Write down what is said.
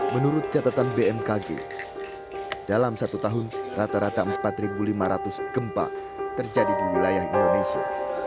menurut catatan bmkg dalam satu tahun rata rata empat lima ratus gempa terjadi di wilayah indonesia